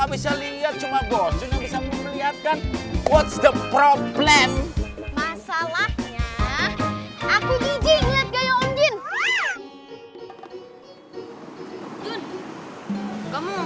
bisa lihat cuma bosnya bisa melihatkan what's the problem masalahnya aku gijing lihat gaya undin